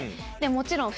もちろん。